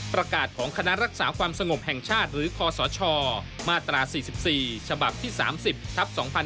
ประกาศของคณะรักษาความสงบแห่งชาติหรือคศมาตรา๔๔ฉบับที่๓๐ทัพ๒๕๖๒